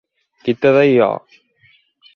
_Quita de aí, ho.